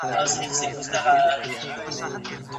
د ژوند ټول موجودات د یخنۍ او ګنګل له امله مړه کېږي.